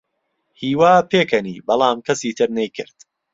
هیوا پێکەنی، بەڵام کەسی تر نەیکرد.